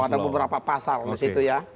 ada beberapa pasal disitu ya